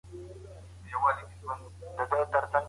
دادی وګوره صاحب د لوی نښان یم